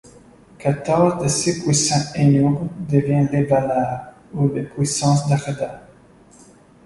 Quatorze de ces puissants Ainur devinrent les Valar, ou les Puissances d’Arda.